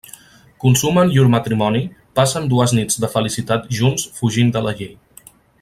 Consumen llur matrimoni, passen dues nits de felicitat junts fugint de la llei.